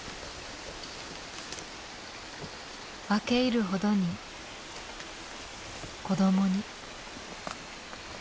分け入るほどに子どもに。